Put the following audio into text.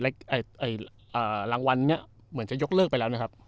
แรกเอ่ยเอ่ยอ่ารางวัลเนี้ยเหมือนจะยกเลิกไปแล้วนะครับ